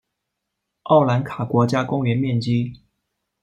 奥兰卡国家公园面积。